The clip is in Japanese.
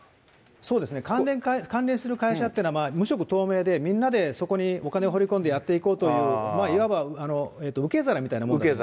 そうですね、関連する会社っていうのは無色透明で、みんなでそこにお金を放り込んでやっていこうという、受け皿で。